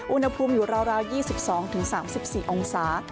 อุณหภูมิอยู่ราว๒๒๓๔องศา